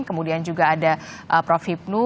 kemudian juga ada prof hipnu